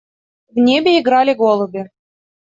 В небе играли голуби.